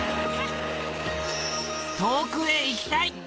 遠くへ行きたい！